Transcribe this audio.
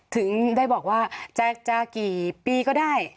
ถึงได้บอกว่าจะกี่ปีก็ได้